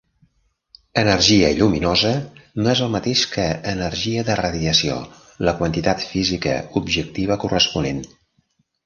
Energia lluminosa no és el mateix que energia de radiació, la quantitat física objectiva corresponent.